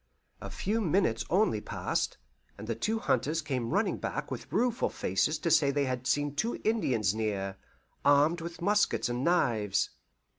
A few minutes only passed, and the two hunters came running back with rueful faces to say they had seen two Indians near, armed with muskets and knives.